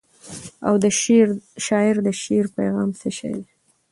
او د شاعر د شعر پیغام څه شی دی؟.